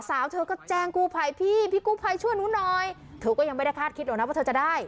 เธอก็แจ้งกู้ภัยพี่พี่กู้ภัยช่วยหนูหน่อยเธอก็ยังไม่ได้คาดคิดหรอกนะว่าเธอจะได้